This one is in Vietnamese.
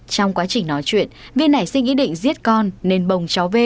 trong quá trình nói chuyện vi nảy sinh ý định giết con nên bồng cháu v